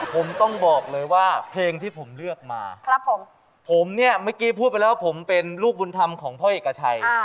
ผมเนี่ยเมื่อกี้พูดไปแล้วว่าผมเป็นลูกบุญธรรมของพ่อเอกกัชชัย